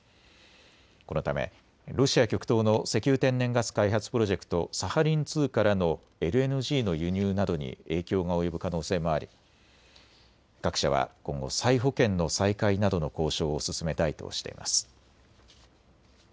このためロシア極東の石油・天然ガス開発プロジェクト、サハリン２からのＬＮＧの輸入などに影響が及ぶ可能性もあり各社は今後、再保険の再開などの交渉を進めたいとしています。